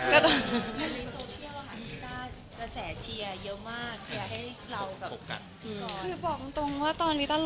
ไม่ว่ามัดไหมบอกบ้างรีต้าจะแสห์เชียร์เยอะมาก